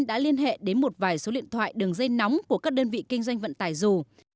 đã liên hệ đến một vài số điện thoại đường dây nóng của các đơn vị kinh doanh vận tải dù